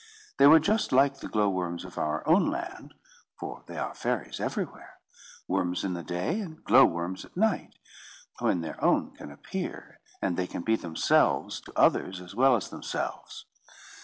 They were just like the glowworms of our own land, for they are fairies everywhere; worms in the day, and glowworms at night, when their own can appear, and they can be themselves to others as well as themselves.